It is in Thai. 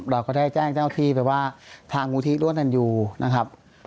เราก็ได้แจ้งเจ้าที่ไปว่าทางมูลที่ร่วมตันยูนะครับ